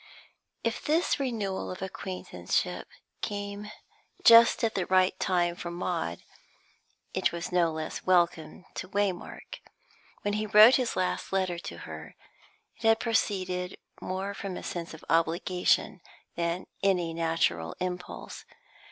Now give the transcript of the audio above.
If this renewal of acquaintanceship came just at the right time for Maud, it was no less welcome to Waymark. When he wrote his last letter to her, it had proceeded more from a sense of obligation than any natural impulse.